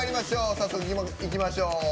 早速いきましょう。